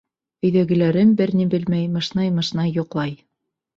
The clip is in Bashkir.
Өйҙәгеләрем бер ни белмәй мышнай-мышнай йоҡлай.